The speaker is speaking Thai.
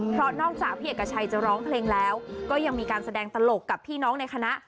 เพราะนอกจากพี่เอกชัยจะร้องเพลงแล้วก็ยังมีการแสดงตลกกับพี่น้องในคณะ